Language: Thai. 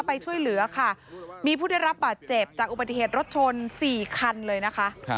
ไปช่วยเหลือค่ะมีผู้ได้รับบาดเจ็บจากอุบัติเหตุรถชน๔คันเลยนะคะ